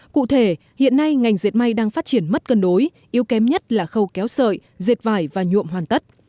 cụ thể hiện nay ngành dệt may đang phát triển mất cân đối yếu kém nhất là khâu kéo sợi diệt vải và nhuộm hoàn tất